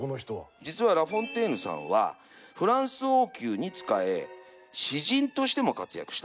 実はラ・フォンテーヌさんはフランス王宮に仕え詩人としても活躍した。